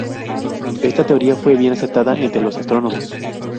Esta teoría fue bien aceptada entre los astrónomos.